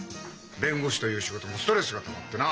弁護士という仕事もストレスがたまってな。